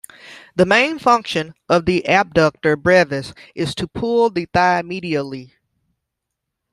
The main function of the adductor brevis is to pull the thigh medially.